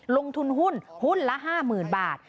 ลงทุนหุ้นหุ้นละ๕๐๐๐บาท